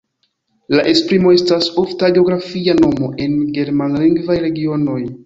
La esprimo estas ofta geografia nomo en germanlingvaj regionoj.